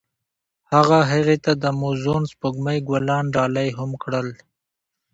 هغه هغې ته د موزون سپوږمۍ ګلان ډالۍ هم کړل.